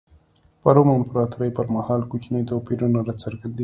په روم امپراتورۍ پر مهال کوچني توپیرونه را څرګندېږي.